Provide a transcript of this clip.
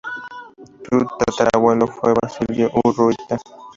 Su tatarabuelo fue Basilio Urrutia.